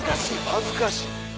恥ずかしい。